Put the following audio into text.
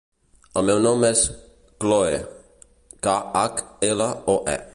El meu nom és Khloe: ca, hac, ela, o, e.